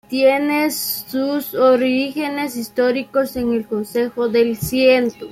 Tiene sus orígenes históricos en el Consejo de Ciento.